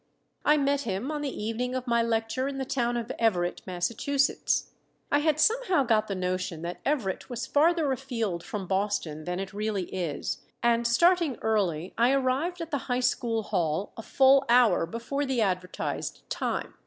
I met him on the evening of my lecture in the town of Everett, Massachusetts. I had somehow got the notion that Everett was farther afield from Boston than it really is, and starting early I arrived at the high school hall a full hour before the advertised time.